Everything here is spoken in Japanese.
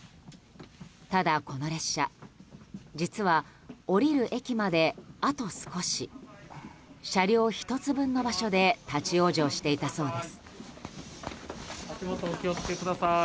ただ、この列車実は降りる駅まであと少し車両１つ分の場所で立ち往生していたそうです。